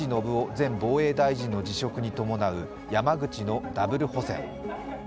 前防衛大臣の辞職に伴う山口のダブル補選。